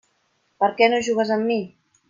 Per què no jugues amb mi?